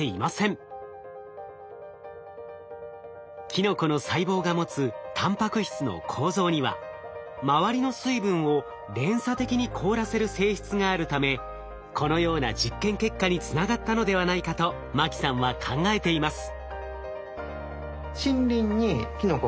キノコの細胞が持つたんぱく質の構造には周りの水分を連鎖的に凍らせる性質があるためこのような実験結果につながったのではないかと牧さんは考えています。